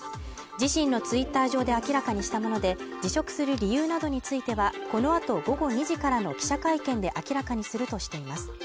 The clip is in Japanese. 自身のツイッター上で明らかにしたもので辞職する理由などについてはこのあと午後２時からの記者会見で明らかにするとしています